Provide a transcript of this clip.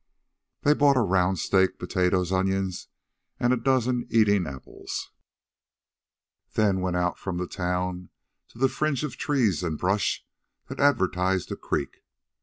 They bought a round steak, potatoes, onions, and a dozen eating apples, then went out from the town to the fringe of trees and brush that advertised a creek.